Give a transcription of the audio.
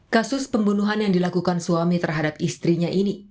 kasus pembunuhan yang dilakukan suami terhadap istrinya ini